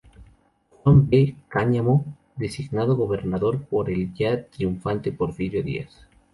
Juan B. Caamaño, designado gobernador por el ya triunfante Porfirio Díaz.